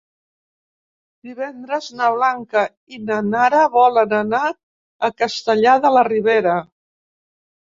Divendres na Blanca i na Nara volen anar a Castellar de la Ribera.